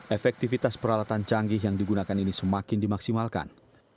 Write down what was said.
efektivitas peralatan canggih yang digunakan ini semakin dimaksimalkan